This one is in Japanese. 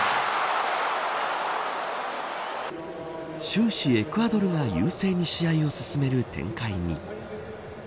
終始、エクアドルが優勢に試合を進める展開に。